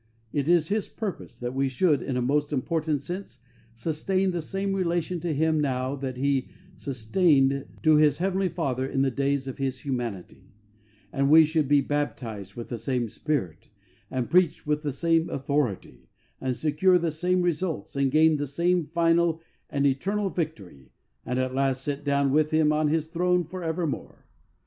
It is His purpose that we should, in a most important sense, sustain the same relation to Him now that He sustained to His Heavenly Father in the days of His humanity, that we should be baptised with the same Spirit, and preach with the same authority, and secure the same results, and gain the same final and eternal victory, and at last sit down with Him on His Throne for evermore.